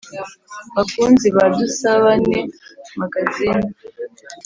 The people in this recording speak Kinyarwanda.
bakunzi ba dusabane magazine